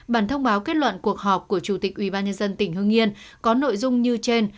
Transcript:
bản thông báo kết luận cuộc họp của chủ tịch ubnd tỉnh hương yên có nội dung như trên